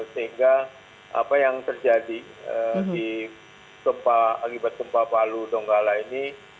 sehingga apa yang terjadi di tempat akibat tempat palu donggala ini